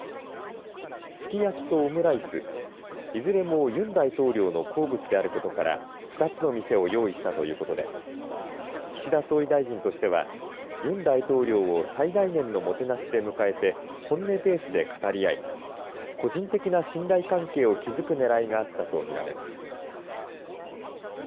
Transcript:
すき焼きとオムライスいずれもユン大統領の好物であることから２つの店を用意したということで岸田総理大臣としてはユン大統領を最大限のもてなしで迎えて本音ベースで語り合い個人的な信頼関係を築くねらいがあったと見られます。